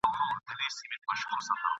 چي د خیال وګړی يې ښځه وه